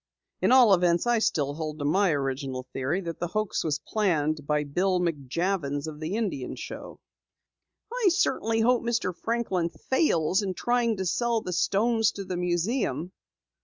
In all events, I still hold to my original theory that the hoax was planned by Bill McJavins of the Indian Show." "I certainly hope Mr. Franklin fails in trying to sell the stones to the museum."